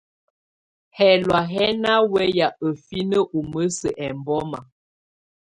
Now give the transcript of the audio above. Hɛlɔ̀á hɛ́ ná wɛya ǝ́finǝ́ ú mǝ́ǝ́sǝ́ ɛmbɔma.